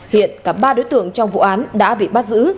hiện cả ba đối tượng trong vụ án đã bị bắt giữ